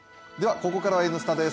ここからは「Ｎスタ」です。